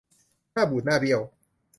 หน้าบูดหน้าเบี้ยว